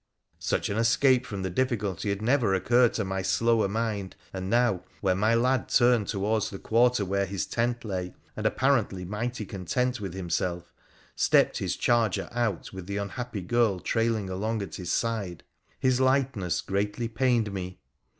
Such an escape from the difficulty had never occurred to my slower mind, and now, when my lad turned towards the quarter where his tent lay, and, apparently mighty content with himself, stepped his charger out with the unhappy girl trailing along at his side, his lightness greatly pained me.